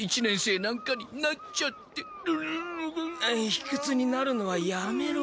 ひくつになるのはやめろ。